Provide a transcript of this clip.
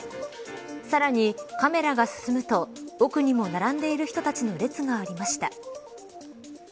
さらに、カメラが進むと奥にも並んでいる人たちの列がありました。